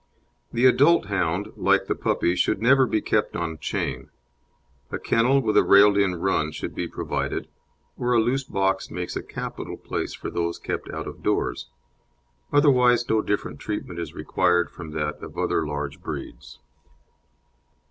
The adult hound, like the puppy, should never be kept on chain; a kennel with a railed in run should be provided, or a loose box makes a capital place for those kept out of doors, otherwise no different treatment is required from that of other large breeds.